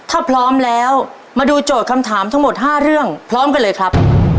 ถ้าพร้อมแล้วมาดูโจทย์คำถามทั้งหมด๕เรื่องพร้อมกันเลยครับ